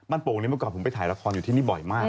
โป่งนี้เมื่อก่อนผมไปถ่ายละครอยู่ที่นี่บ่อยมาก